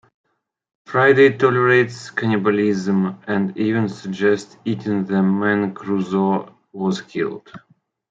Friday tolerates cannibalism, and even suggests eating the men Crusoe has killed.